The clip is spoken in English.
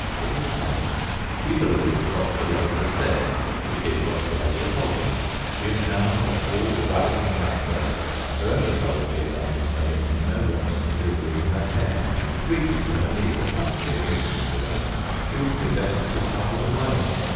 It was faith. She believed what the label said, she did what the label told her. She is now a tall, ravishing young person, her only trouble being, I should say, to know what to do with her hairâit reaches to her knees and must be a nuisance to her. She would do better to give some of it away.